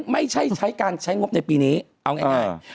ไม่ใช่ใช้การใช้งบในปีนี้เอาง่าย